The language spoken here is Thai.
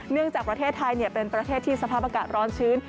จากประเทศไทยเป็นประเทศที่สภาพอากาศร้อนชื้น